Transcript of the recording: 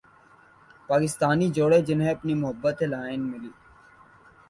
پاکستانی جوڑے جنھیں اپنی محبت لائن ملی